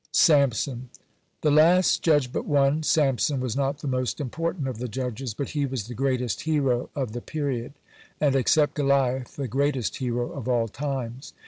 (110) SAMSON The last judge but one, Samson, was not the most important of the judges, but he was the greatest hero of the period and, except Goliath, the greatest hero of all times.